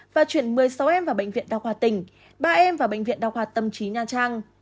và chuyển một mươi sáu em vào bệnh viện đa khoa tỉnh ba em vào bệnh viện đa khoa tâm trí nha trang